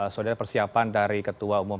saudara persiapan dari ketua umum